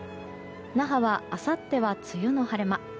那覇はあさっては梅雨の晴れ間。